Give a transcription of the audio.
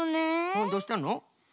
うんどうしたの？